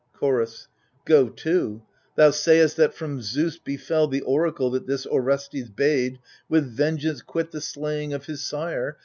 Chorus Go to ; thou sayest that from Zeus befel The oracle that this Orestes bade With vengeance quit the slaying of his sire.